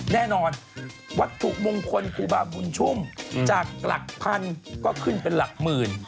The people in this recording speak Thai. แน่นอนวัตถุมงคลครูบาบุญชุ่มจากหลักพันก็ขึ้นเป็นหลักหมื่น